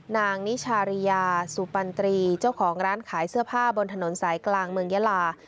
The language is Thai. นิชาริยาสุปันตรีเจ้าของร้านขายเสื้อผ้าบนถนนสายกลางเมืองยาลา